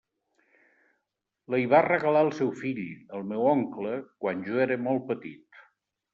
La hi va regalar el seu fill, el meu oncle, quan jo era molt petit.